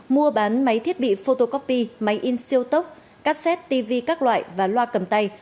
mua bán máy thiết bị photocopy máy in siêu tốc cassette tv các loại và loa cầm tay